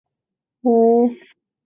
红腹海参为海参科海参属的动物。